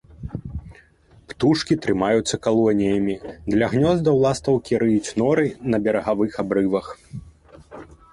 Птушкі трымаюцца калоніямі, для гнёздаў ластаўкі рыюць норы на берагавых абрывах.